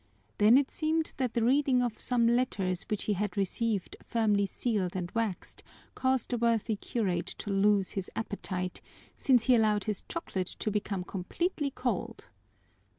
Then it seemed that the reading of some letters which he had received firmly sealed and waxed caused the worthy curate to lose his appetite, since he allowed his chocolate to become completely cold.